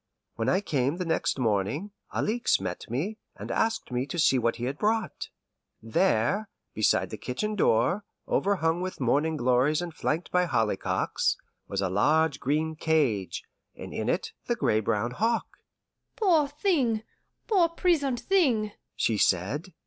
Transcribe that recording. When I came the next morning, Alixe met me, and asked me to see what he had brought. There, beside the kitchen door, overhung with morning glories and flanked by hollyhocks, was a large green cage, and in it the gray brown hawk. "Poor thing, poor prisoned thing!" she said.